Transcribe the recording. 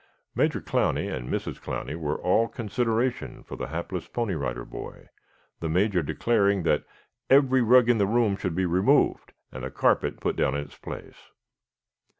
Major Clowney and Mrs. Clowney were all consideration for the hapless Pony Rider Boy, the Major declaring that every rug in the room should be removed and a carpet put down in its place.